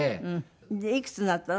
でいくつになったの？